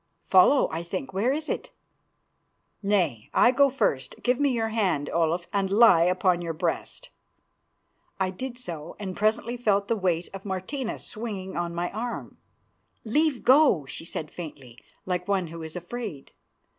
"Follow, I think. Where is it?" "Nay, I go first. Give me your hand, Olaf, and lie upon your breast." I did so, and presently felt the weight of Martina swinging on my arm. "Leave go," she said faintly, like one who is afraid.